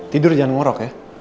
tidur jangan ngorok ya